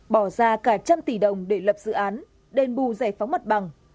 bỏ ra cả trăm tỷ đồng để lập dự án đền bù giải phóng mặt bằng